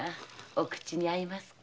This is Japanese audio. お口に合いますか？